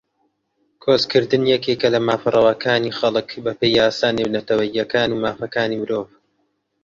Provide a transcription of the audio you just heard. کۆچکردن یەکێکە لە مافە ڕەواکانی خەڵک بەپێی یاسا نێونەتەوەییەکان و مافەکانی مرۆڤ